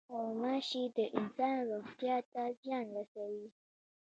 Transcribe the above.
غوماشې د انسان روغتیا ته زیان رسوي.